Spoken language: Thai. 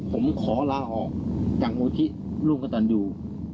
ผมขอลาออกจากมูลที่ร่วมกับตันยู